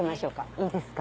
いいですか？